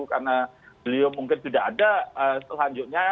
karena beliau mungkin tidak ada selanjutnya